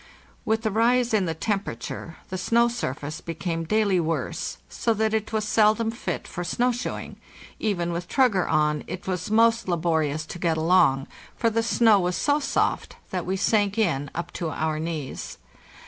11 AUGUST I5 TO JANUARY I, 1896 WITH the rise in the temperature the snow surface became daily worse, so that it was seldom fit for snow shoeing: even with "truger' * on it was most laborious to get along, for the snow was so soft that we sank in up to our knees.